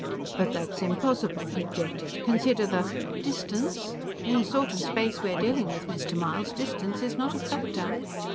"But that's impossible!" he objected. "Consider the " "Distance? In the sort of space we're dealing with, Mr. Myles, distance is not a factor.